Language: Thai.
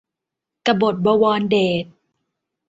กบฏบวรเดช